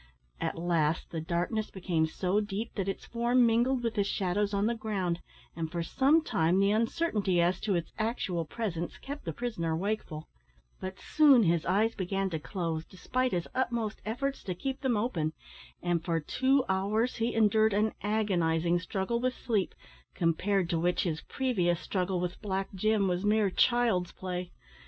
At last the darkness became so deep that its form mingled with the shadows on the ground, and for some time the uncertainty as to its actual presence kept the prisoner wakeful; but soon his eyes began to close, despite his utmost efforts to keep them open; and for two hours he endured an agonising struggle with sleep, compared to which his previous struggle with Black Jim was mere child's play.